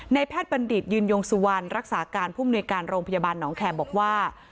แพทย์บัณฑิตยืนยงสุวรรณรักษาการผู้มนุยการโรงพยาบาลหนองแคมบอกว่า